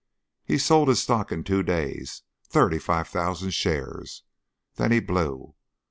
He sold his stock in two days, thirty five thousand shares, then he blew.